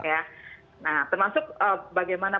nah termasuk bagaimana